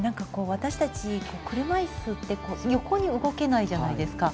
私たち車いすって横に動けないじゃないですか。